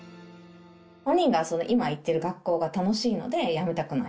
本人が今行ってる学校が楽しいのでやめたくない。